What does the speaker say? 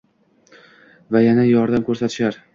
Va yana yordam ko’rsatishar.